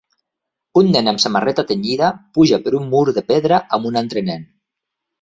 Un nen amb samarreta tenyida puja per un mur de pedra amb un altre nen.